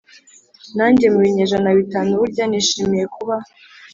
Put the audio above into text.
nanjye mu binyejana bitanu burya nishimiye kuba